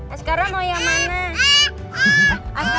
askara mau yang mana